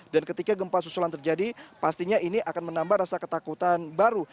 dan ketika gempa susulan terjadi pastinya ini akan menambah rasa ketakutan baru